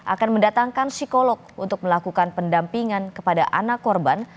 akan mendatangkan psikolog untuk melakukan pendampingan kepada anak korban